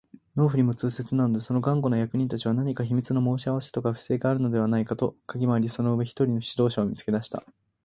農夫にも痛切なので、その頑固な役人たちは何か秘密の申し合せとか不正とかでもあるのではないかとかぎ廻り、その上、一人の指導者を見つけ出した